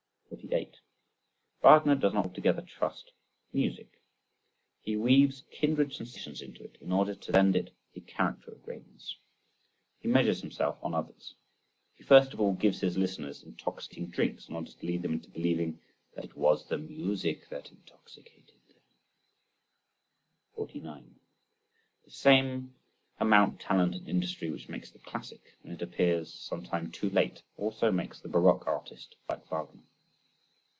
48. Wagner does not altogether trust music. He weaves kindred sensations into it in order to lend it the character of greatness. He measures himself on others; he first of all gives his listeners intoxicating drinks in order to lead them into believing that it was the music that intoxicated them. 49. The same amount of talent and industry which makes the classic, when it appears some time too late, also makes the baroque artist like Wagner.